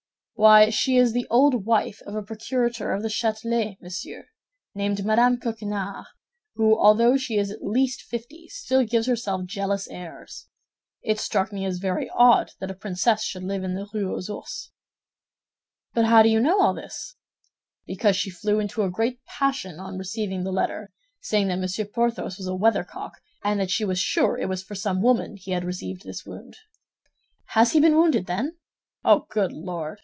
"Why, she is the old wife of a procurator* of the Châtelet, monsieur, named Madame Coquenard, who, although she is at least fifty, still gives herself jealous airs. It struck me as very odd that a princess should live in the Rue aux Ours." * Attorney "But how do you know all this?" "Because she flew into a great passion on receiving the letter, saying that Monsieur Porthos was a weathercock, and that she was sure it was for some woman he had received this wound." "Has he been wounded, then?" "Oh, good Lord!